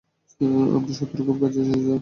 আমরা শত্রুর খুব কাছে এসেছি, স্যার।